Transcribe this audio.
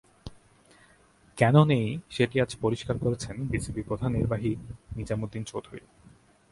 কেন নেই সেটি আজ পরিষ্কার করেছেন বিসিবির প্রধান নির্বাহী নিজাম উদ্দীন চৌধুরী।